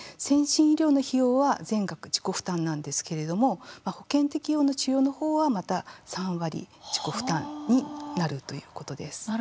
先進医療の費用は全額自己負担なんですけれども保険適用の治療のほうは、また３割自己負担になるということです。